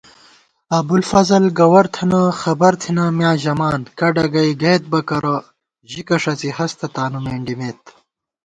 ابُوالفضل گوَر تھنہ، خبرتھنہ میاں ژَمان * کڈہ کېئی گَئیت بہ کرہ ژِکہ ݭڅی ہستہ تانو مېنڈِمېت